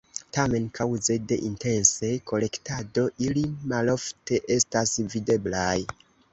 Tamen, kaŭze de intense kolektado, ili malofte estas videblaj.